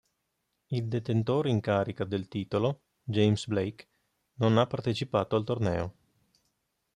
Il detentore in carica del titolo, James Blake, non ha partecipato al torneo.